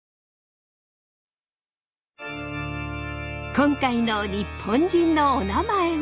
今回の「日本人のおなまえ」は。